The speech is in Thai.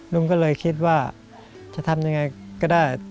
ลุงก็เลยคิดว่าจะทำยังไงก็ได้